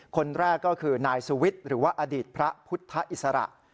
คนแรกก็คือนายสุวิทย์หรือว่าอดีตพระพุทธอิสระ